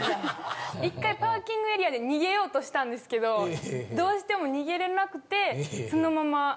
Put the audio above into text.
１回パーキングエリアで逃げようとしたんですけどどうしても逃げれなくてそのまま。